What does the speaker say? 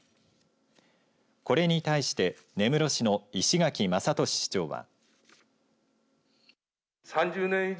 これに対して根室市の石垣雅敏市長は。